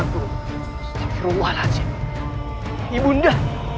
terus hajar dia